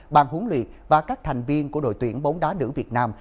bàn huấn luyện và các thành viên của đội tuyển bóng đá nữ việt nam